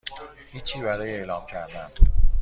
هیچی برای اعلام کردن